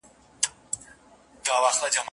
نیکه کیسه کوله!